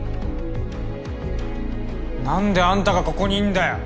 何であんたがここにいんだよ！